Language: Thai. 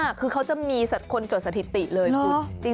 คือเขาจะมีคนจดสถิติเลยคุณ